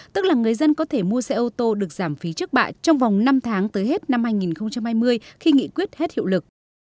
tức là người dân có thể mua xe ô tô được giảm phí trước bạ trong vòng năm tháng tới hết năm hai nghìn hai mươi khi nghị quyết hết hiệu lực